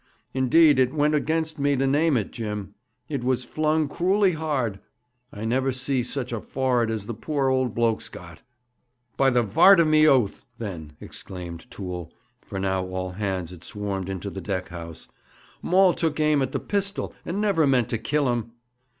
Indeed, it went against me to name it, Jim. It was flung cruelly hard. I never see such a forehead as the poor old bloke's got.' 'By the vart of me oath, then,' exclaimed Toole for now all hands had swarmed into the deck house 'Maul took aim at the pistol, and never meant to kill him!'